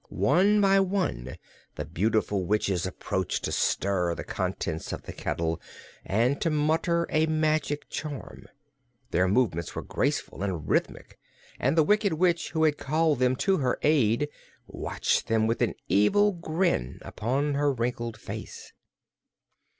One by one the beautiful witches approached to stir the contents of the kettle and to mutter a magic charm. Their movements were graceful and rhythmic and the Wicked Witch who had called them to her aid watched them with an evil grin upon her wrinkled face.